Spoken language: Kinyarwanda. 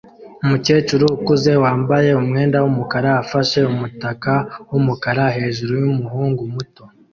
Umukecuru ukuze wambaye umwenda wumukara afashe umutaka wumukara hejuru yumuhungu muto